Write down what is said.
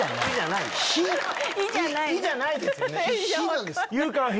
「い」じゃないですよね。